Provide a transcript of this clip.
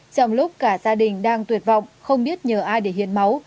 trong lúc cả gia đình đang tuyệt vọng không biết nhờ ai để hiến máu